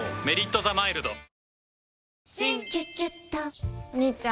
「メリットザマイルド」